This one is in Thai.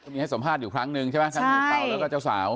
มีให้สัมภาษณ์อยู่ครั้งนึงใช่ไหมทั้งคุณเปล่าแล้วก็เจ้าสาว